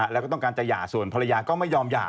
แล้วก็ต้องการจะหย่าส่วนภรรยาก็ไม่ยอมหย่า